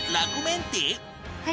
はい。